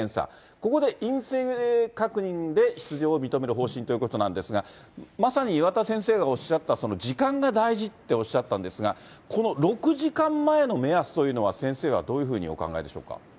ここで陰性確認で出場を認める方針ということなんですが、まさに岩田先生がおっしゃった、時間が大事っておっしゃったんですが、この６時間前の目安というのは、先生はどういうふうにお考えでしょうか？